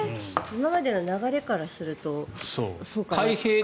今までの流れからするとそうかな。